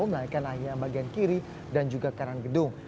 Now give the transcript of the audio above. melayakan akhirnya bagian kiri dan juga kanan gedung